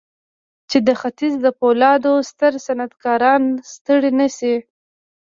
چې د ختيځ د پولادو ستر صنعتکاران ستړي نه شي.